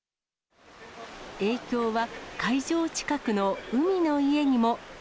影響は会場近くの海の家にも。